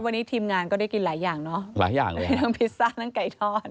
วันนี้ทีมงานก็ได้กินหลายอย่างเนอะหลายอย่างเลยมีทั้งพิซซ่าทั้งไก่ทอด